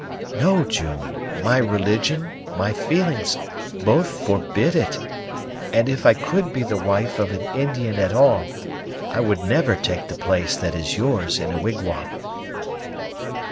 "No, June; my religion, my feelings, both forbid it; and, if I could be the wife of an Indian at all, I would never take the place that is yours in a wigwam."